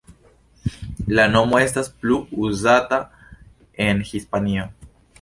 La nomo estas plu uzata en Hispanio.